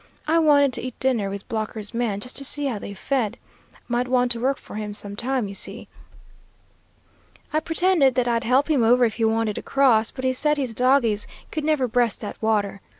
I wanted to eat dinner with Blocker's man, just to see how they fed. Might want to work for him some time, you see. I pretended that I'd help him over if he wanted to cross, but he said his dogies could never breast that water.